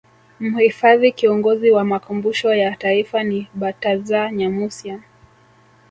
Mhifadhi Kiongozi wa Makumbusho ya Taifa ni Bartazar Nyamusya